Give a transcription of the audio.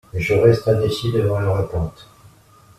Je reste indécis devant leur attente.